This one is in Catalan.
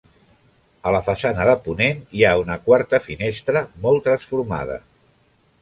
A la façana de ponent hi ha una quarta finestra, molt transformada.